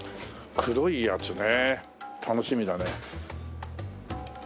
黒いやつね楽しみだね。